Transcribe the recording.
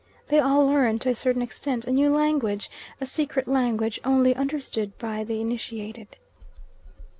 They all learn, to a certain extent, a new language, a secret language only understood by the initiated.